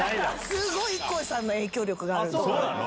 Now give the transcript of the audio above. すごいＩＫＫＯさんの影響力そうなの？